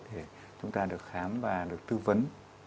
thì chúng ta được khám và được tư vấn